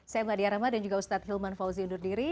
saya mbak diya rama dan juga ustad hilman fauzi undur diri